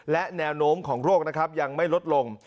และแนวโน้มของโรคนะครับยังไม่ลดลง